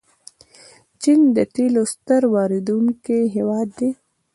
چین د تیلو ستر واردونکی هیواد دی.